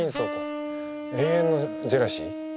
永遠のジェラシー。